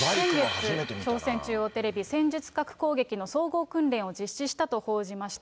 朝鮮中央テレビ、戦術核攻撃の総合訓練を実施したと報じました。